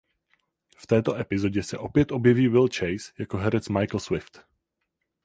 V této epizodě se opět objeví Will Chase jako herec Michael Swift.